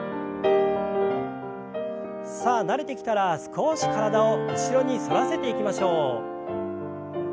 さあ慣れてきたら少し体を後ろに反らせていきましょう。